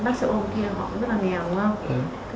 không có nhiều tiền đúng không